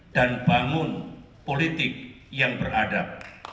dan bangun politik yang beradab